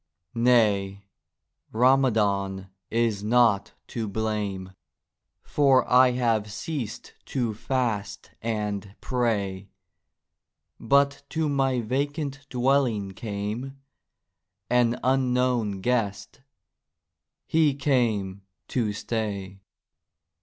Nay, Ramadhan is not to blame, For I have ceased to fast and pray; But to my vacant Dwelling came An unknown Guest—he came to stay.